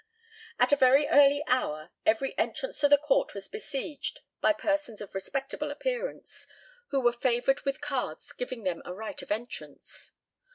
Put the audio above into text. At a very early hour every entrance to the court was besieged by persons of respectable appearance, who were favoured with cards giving them a right of entrance.